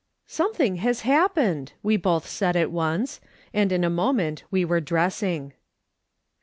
" Something has happened !" we both said at once, and in a moment we were dressing.